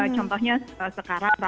contohnya sekarang ramadan